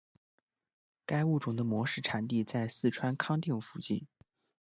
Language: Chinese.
该物种的模式产地在四川康定附近。